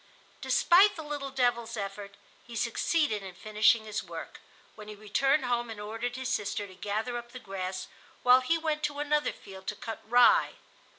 Despite the little devil's efforts he succeeded in finishing his work, when he returned home and ordered his sister to gather up the grass while he went to another field to cut rye.